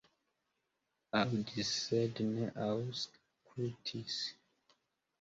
Aŭdis, sed ne aŭskultis.